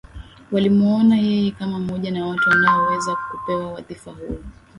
Walimwona yeye kama mmoja wa watu wanaoweza kupewa wadhifa huo